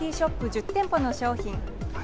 １０店舗の商品。